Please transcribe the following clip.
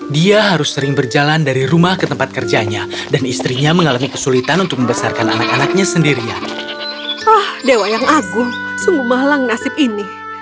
dia harus sering berjalan dari rumah ke tempat kerjanya dan istrinya mengalami kesulitan untuk membesarkan anak anaknya sendirian